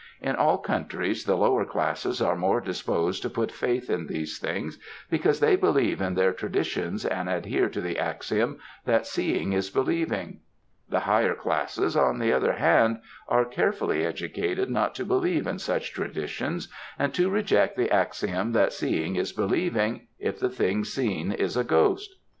In all countries the lower classes are more disposed to put faith in these things, because they believe in their traditions and adhere to the axiom that seeing is believing. The higher classes, on the other hand, are carefully educated not to believe in such traditions and to reject the axiom that seeing is believing, if the thing seen is a ghost.